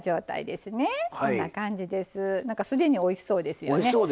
すでにおいしそうですよね。